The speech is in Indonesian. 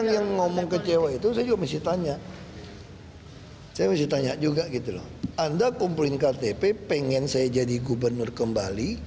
ya kan itu aja